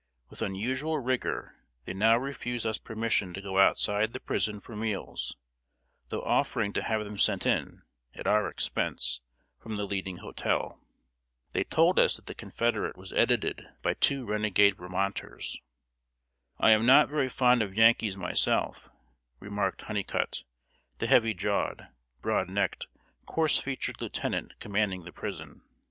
With unusual rigor, they now refused us permission to go outside the prison for meals, though offering to have them sent in, at our expense, from the leading hotel. They told us that The Confederate was edited by two renegade Vermonters. "I am not very fond of Yankees, myself," remarked Hunnicutt, the heavy jawed, broad necked, coarse featured lieutenant commanding the prison.